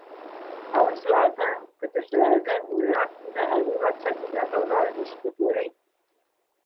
Һауынсыларҙың, көтөүселәрҙең үҙе артында «Әбей батша» тип атауҙарын ишетеп йөрөй.